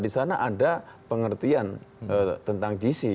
di sana ada pengertian tentang gc